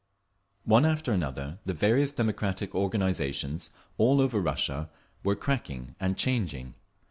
One after another the various democratic organisations, all over Russia, were cracking and changing.